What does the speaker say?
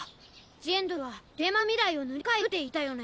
ジェンドルはデュエマの未来を塗り替えるって言ったよね？